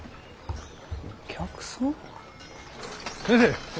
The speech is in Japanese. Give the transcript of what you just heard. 先生！